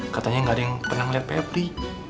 katanya gak ada yang pernah ngeliat febri